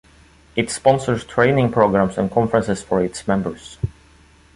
It sponsors training programs and conferences for its members.